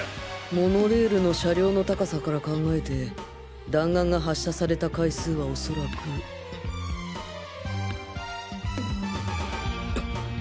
モノレールの車両の高さから考えて弾丸が発射された階数はおそらくあっ！